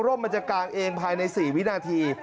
มันจะกางเองภายใน๔วินาที